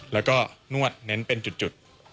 แล้วก็นวดเน้นเป็นจุด